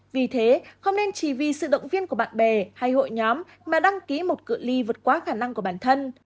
vì thế không nên chỉ vì sự động viên của bạn bè hay hội nhóm mà đăng ký một cự li vượt quá khả năng của bản thân